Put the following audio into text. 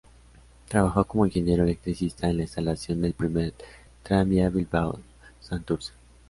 Trabajó como ingeniero electricista en la instalación del primer tranvía Bilbao-Santurce.